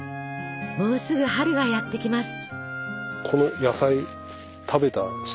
もうすぐ春がやって来ます。